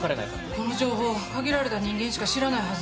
この情報限られた人間しか知らないはず。